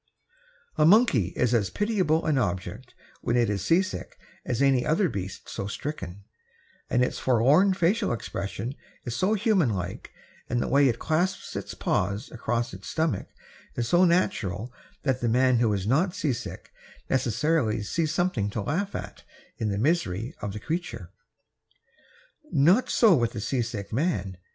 A monkey is as pitiable an object when it is seasick as any other beast so stricken, and its forlorn facial expression is so humanlike and the way it clasps its paws across its stomach is so natural that the man who is not seasick necessarily sees something to laugh at in the misery of the creature. Not so with the seasick man.